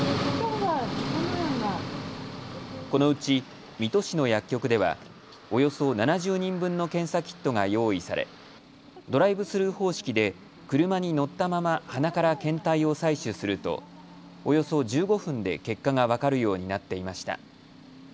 このうち水戸市の薬局ではおよそ７０人分の検査キットが用意されドライブスルー方式で車に乗ったまま鼻から検体を採取するとおよそ１５分で結果が分かるようになっていました。